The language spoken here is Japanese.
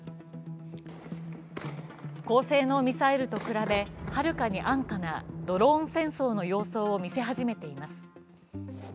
高性能ミサイルと比べ、はるかに安価なドローン戦争の様相を見せ始めています。